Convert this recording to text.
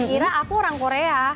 iryana aku orang korea